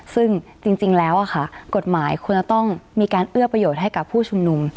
ซึ่งจริงแล้วกฎหมายควรจะต้องมีการเอื้อประโยชน์ให้กับผู้ชุมนุม